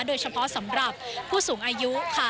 โดยเฉพาะสำหรับผู้สูงอายุค่ะ